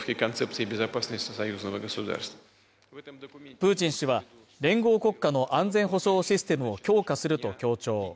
プーチン氏は連合国家の安全保障システムを強化すると強調。